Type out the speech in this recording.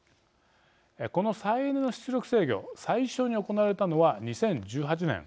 この再エネの出力制御最初に行われたのは２０１８年。